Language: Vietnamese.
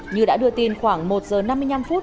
như đã đưa tin khoảng một giờ năm mươi năm phút